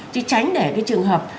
chứ tránh để cái trường hợp